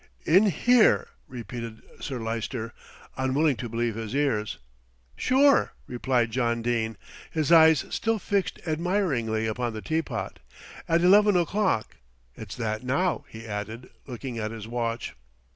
"In here," repeated Sir Lyster, unwilling to believe his ears. "Sure," replied John Dene, his eyes still fixed admiringly upon the teapot, "at eleven o'clock. It's that now," he added, looking at his watch.